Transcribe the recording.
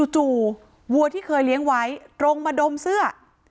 จู่วัวที่เคยเลี้ยงไว้ตรงมาดมเสื้อ